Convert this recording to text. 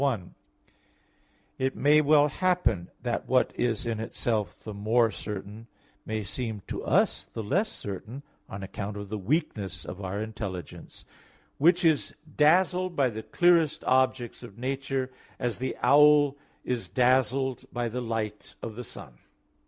1: It may well happen that what is in itself the more certain may seem to us the less certain on account of the weakness of our intelligence, "which is dazzled by the clearest objects of nature; as the owl is dazzled by the light of the sun" (Metaph.